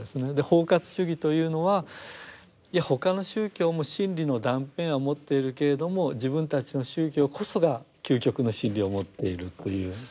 包括主義というのはいや他の宗教も真理の断片は持っているけれども自分たちの宗教こそが究極の真理を持っているという。